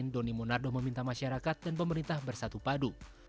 doni monardo meminta masyarakat dan pemerintah bersatu padu